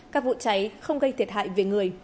các vụ cháy không gây thiệt hại về người